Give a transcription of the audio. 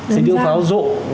xin tiếng pháo rộn